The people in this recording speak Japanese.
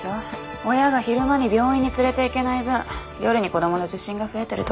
親が昼間に病院に連れていけない分夜に子供の受診が増えてるとか。